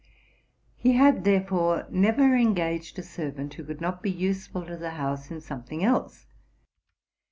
He had, therefore, never engaged «a servant who could not be useful to the house in something else.